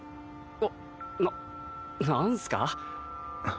あっななんすか？